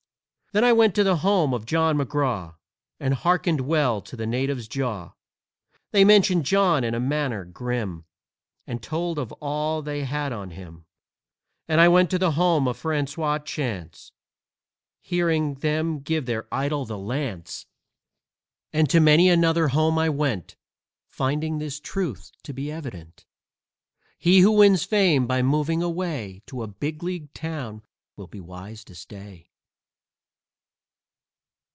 Then I went to the home of John McGraw, And hearkened well to the natives' jaw. They mentioned John in a manner grim, And told of all that they had on him. And I went to the home of François Chance, Hearing them give their idol the lance. And to many another home I went, Finding this truth to be evident: He who wins fame by moving away To a big league town will be wise to stay!